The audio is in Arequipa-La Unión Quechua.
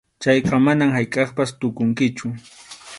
Chayqa manam haykʼappas tukunkichu.